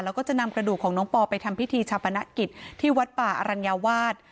แล้วก็จะนำกระดูกของน้องปอไปทำพิธีชาปนกิจที่วัดป่าอรัญญาวาส